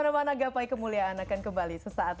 bapak dan ibu yang dikirimkan